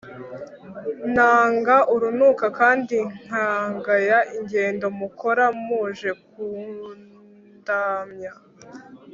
Nanga urunuka kandi nkagaya ingendo mukora muje kundamya,